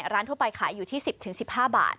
ร้านทั่วไปขายอยู่ที่๑๐๑๕บาท